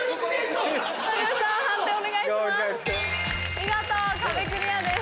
見事壁クリアです。